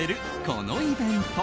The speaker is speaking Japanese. このイベント。